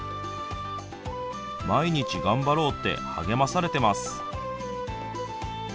毎日、頑張ろうって励まされてます。